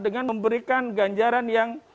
dengan memberikan ganjaran yang